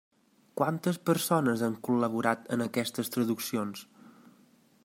Quantes persones han col·laborat en aquestes traduccions?